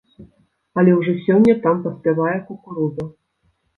Але ўжо сёння там паспявае кукуруза.